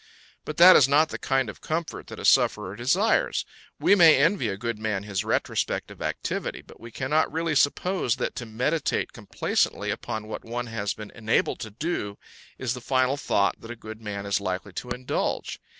But that is not the kind of comfort that a sufferer desires; we may envy a good man his retrospect of activity, but we cannot really suppose that to meditate complacently upon what one has been enabled to do is the final thought that a good man is likely to indulge.